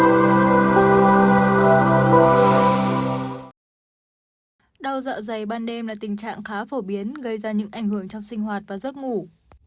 cơn đau dạo dày ban đêm là tình trạng khá phổ biến gây ra những ảnh hưởng trong sinh hoạt và giấc ngủ